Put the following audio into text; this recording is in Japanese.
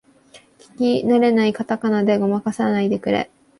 聞きなれないカタカナでごまかさないでくれ